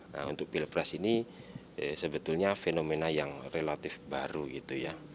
nah untuk pilpres ini sebetulnya fenomena yang relatif baru gitu ya